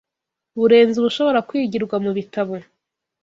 burenze ubushobora kwigirwa mu bitabo